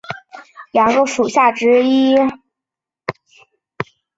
砗磲蛤属为砗磲亚科之下两个属之一。